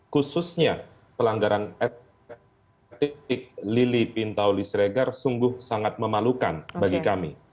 khususnya pelanggaran etik lili pintauli siregar sungguh sangat memalukan bagi kami